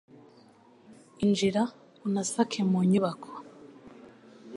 Injira unasake mu nyubako